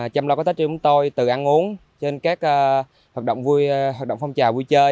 chăm lo các tết triên chúng tôi từ ăn uống trên các hoạt động phong trào vui chơi